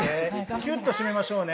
キュッと締めましょうね。